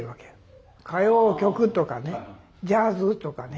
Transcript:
歌謡曲とかねジャズとかね。